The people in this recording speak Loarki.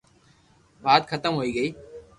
وات ختم ھوئي گئي